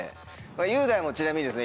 雄大もちなみにですね